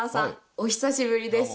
お久しぶりです。